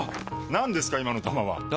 何ですか今の球は！え？